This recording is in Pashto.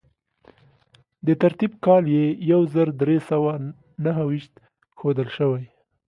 د ترتیب کال یې یو زر درې سوه نهه ویشت ښودل شوی.